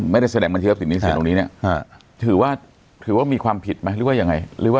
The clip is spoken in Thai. ไม่ได้แสดงบัญชีทรัพย์สินหนี้สินตรงนี้เนี่ยถือว่ามีความผิดมั้ยหรือว่ายังไง